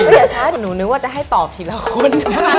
อย่าช้าหนูนึกว่าจะให้ตอบทีละคน